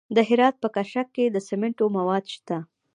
د هرات په کشک کې د سمنټو مواد شته.